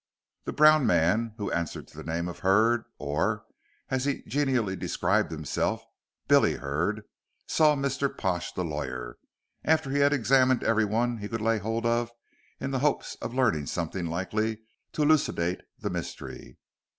The brown man, who answered to the name of Hurd, or, as he genially described himself, "Billy" Hurd, saw Mr. Pash, the lawyer, after he had examined everyone he could lay hold of in the hopes of learning something likely to elucidate the mystery.